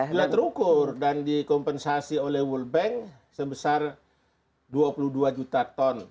bila terukur dan dikompensasi oleh world bank sebesar dua puluh dua juta ton